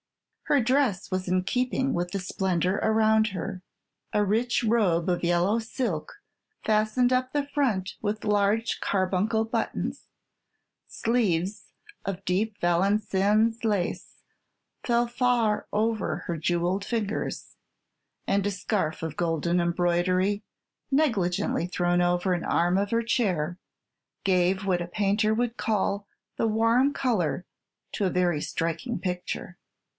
Her dress was in keeping with the splendor around her: a rich robe of yellow silk fastened up the front with large carbuncle buttons; sleeves of deep Valenciennes lace fell far over her jewelled fingers; and a scarf of golden embroidery, negligently thrown over an arm of her chair, gave what a painter would call the warm color to a very striking picture.